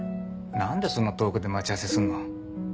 何でそんな遠くで待ち合わせすんの？